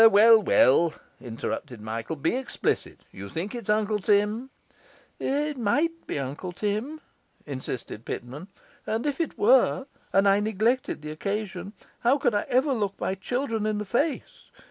'Well, well,' interrupted Michael. 'Be explicit; you think it's Uncle Tim?' 'It might be Uncle Tim,' insisted Pitman, 'and if it were, and I neglected the occasion, how could I ever look my children in the face?